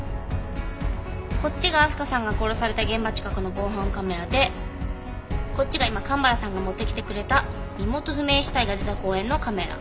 こっちが明日香さんが殺された現場近くの防犯カメラでこっちが今蒲原さんが持ってきてくれた身元不明死体が出た公園のカメラ。